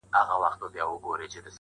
مي په هند کي د روسيې د سفارت